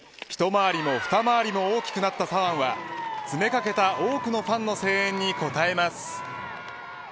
一回りも二回りも大きくなった左腕は詰めかけた多くのファンの声援に応えます。